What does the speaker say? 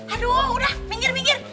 aduh udah minggir minggir